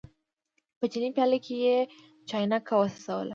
په چیني پیاله کې یې چاینکه وڅڅوله.